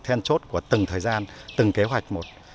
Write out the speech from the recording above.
then chốt của từng thời gian từng kế hoạch một